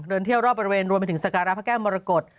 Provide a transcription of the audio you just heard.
เดินเที่ยวรอบบริเวณรวมไปถึงสการะพระแก้วมรกฏ